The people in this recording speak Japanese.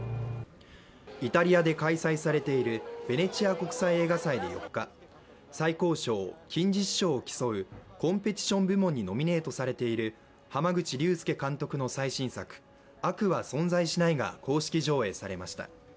イタリアで開催されているベネチア国際映画祭で４日、最高賞、金獅子賞を競う、コンペティション部門にノミネートされている濱口竜介監督の最新作「悪は存在しない」が公式上映されました。